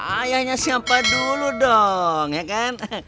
ayahnya siapa dulu dong ya kan